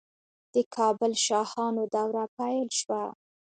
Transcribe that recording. د کابل شاهانو دوره پیل شوه